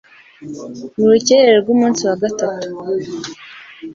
Mu rukerera rw'umunsi wa gatatu